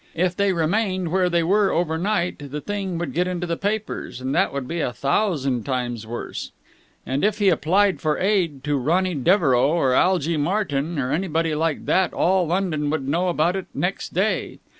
If they remained where they were overnight, the thing would get into the papers, and that would be a thousand times worse. And if he applied for aid to Ronny Devereux or Algy Martyn or anybody like that all London would know about it next day.